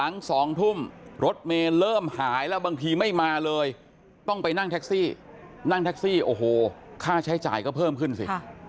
นั่งแท็กซี่โอ้โหค่าใช้จ่ายก็เพิ่มขึ้นสิ